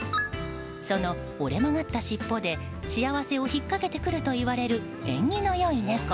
その折れ曲がった尻尾で幸せをひっかけてくるといわれる縁起の良い猫。